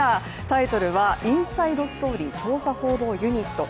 タイトルは「インサイドストーリー調査報道ユニット」。